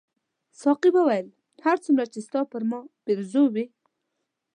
ساقي وویل هر څومره چې ستا پر ما پیرزو وې.